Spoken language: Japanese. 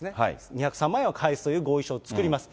２０３万円は返すという合意書を作ります。